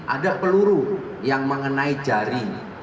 ada peluru yang mengenai jari